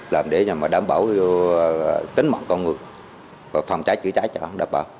làm để đảm bảo tính mọi con người phòng trái chữ trái cho họ đảm bảo